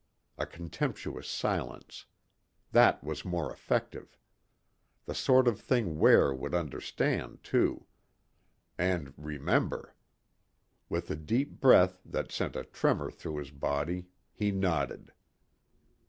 A contemptuous silence. That was more effective. The sort of thing Ware would understand, too. And remember. With a deep breath that sent a tremor through his body, he nodded.